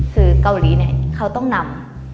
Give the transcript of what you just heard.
คือเกาหลีเนี่ยเขาต้องนำ